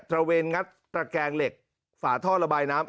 ระเวนงัดตระแกงเหล็กฝาท่อระบายน้ำ